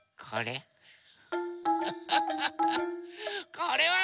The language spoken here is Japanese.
これ？